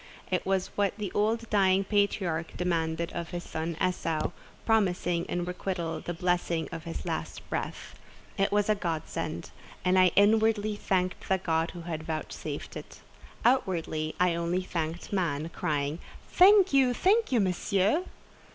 It was what the old dying patriarch demanded of his son Esau, promising in requital the blessing of his last breath. It was a godsend; and I inwardly thanked the God who had vouchsafed it. Outwardly I only thanked man, crying, "Thank you, thank you, Monsieur!"